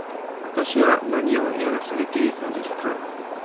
私は何をやらされているのですか